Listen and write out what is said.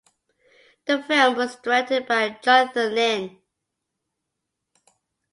The film was directed by Jonathan Lynn.